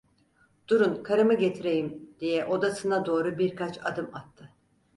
"Durun karımı getireyim…" diye odasına doğru birkaç adım attı.